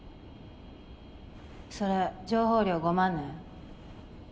それ情報料５万ね。